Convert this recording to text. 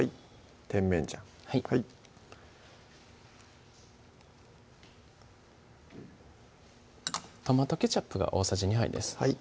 甜麺醤はいトマトケチャップが大さじ２杯です